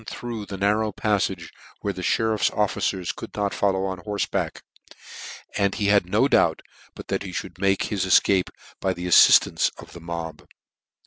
407 through the narrow pafTage, where the meriffs officers could not follow on horfeback ; and he had no doubt but h^ mould make his efcape, by the affiftance of the mob.